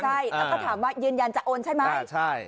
ใช่แล้วก็ถามว่ายืนยันจะโอนใช่ไหม